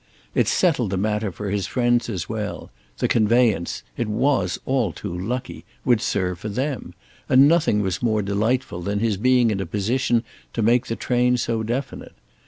It settled the matter for his friends as well; the conveyance—it was all too lucky!—would serve for them; and nothing was more delightful than his being in a position to make the train so definite.